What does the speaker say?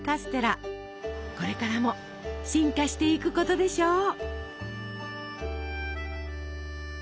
これからも進化していくことでしょう。